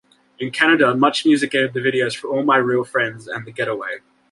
In Canada MuchMusic aired the videos for "All My Real Friends" and "The Getaway".